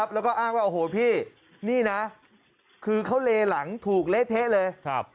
แล้วก็อ้างว่าโอ้โหพี่นี่นะคือเขาเลหลังถูกเละเทะเลย